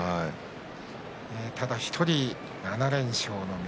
ただ１人７連勝の翠